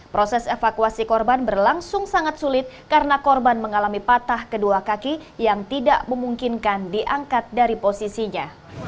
proses evakuasi korban berlangsung sangat sulit karena korban mengalami patah kedua kaki yang tidak memungkinkan diangkat dari posisinya